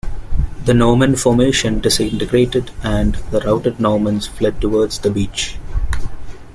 The Norman formation disintegrated and the routed Normans fled towards the beach.